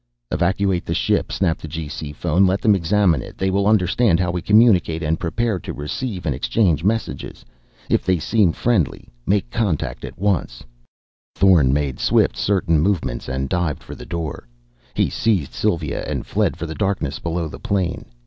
"Evacuate the ship," snapped the G.C. phone. "Let them examine it. They will understand how we communicate and prepare to receive and exchange messages. If they seem friendly, make contact at once." Thorn made swift certain movements and dived for the door. He seized Sylva and fled for the darkness below the plane.